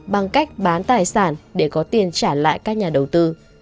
bằng cách bán tài sản để có tiền trả lại các nhà đầu tư